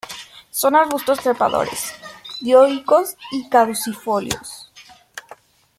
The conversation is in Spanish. Son arbustos trepadores, dioicos y caducifolios.